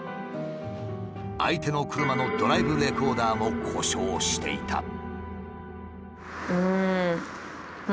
相手の車のドライブレコーダーも故障していた。